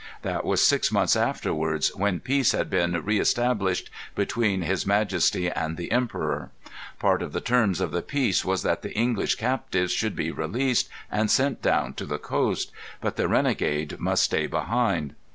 That was six months afterwards, when peace had been re established between his Maj. and the Emperor. Part of the terms of the peace was that the English captives should be released and sent down to the coast, but the renegade must stay behind.